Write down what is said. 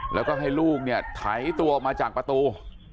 แล้วก็ให้ลูกเนี่ยไถตัวออกมาจากประตู